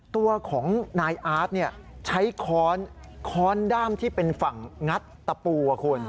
ตัวของนายอาร์ตใช้ค้อนด้ามที่เป็นฝั่งงัดตะปูอ่ะคุณ